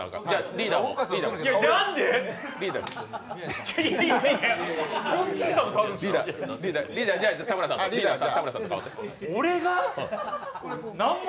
リーダーも。